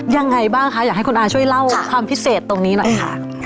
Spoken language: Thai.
ยังไงบ้างคะอยากให้คุณอาช่วยเล่าความพิเศษตรงนี้หน่อยค่ะ